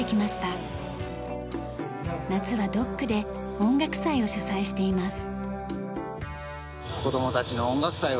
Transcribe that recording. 夏はドックで音楽祭を主催しています。